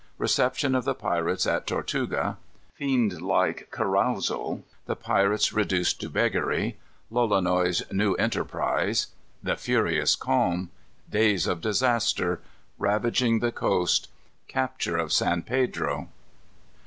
Reception of the Pirates at Tortuga. Fiend like Carousal. The Pirates Reduced to Beggary. Lolonois's New Enterprise. The "Furious Calm." Days of Disaster. Ravaging the Coast. Capture of San Pedro.